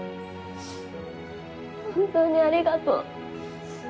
本当にありがとう。